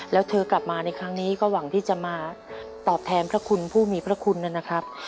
แล้วเธอกลับมาในครั้งนี้ก็หวังที่จะมาตอบแทนพระคุณผู้มีพระคุณนะครับ